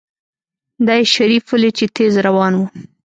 دا يې شريف وليد چې تېز روان و.